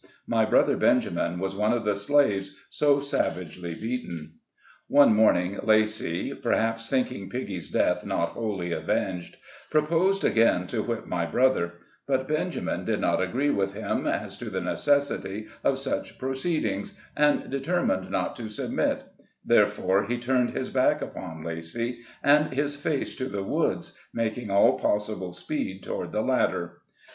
My brother Benjamin was one of the slaves so savagely beaten. One morning, Lacy — perhaps thinking piggy's EARLY LIFE. 13 death not wholly avenged — proposed again to whip my brother; but Benjamin did not agree with him as to the necessity of such proceedings, and deter mined not to submit ; therefore, he turned his back upon Lacy, and his face to the woods, making all possible speed toward the latter.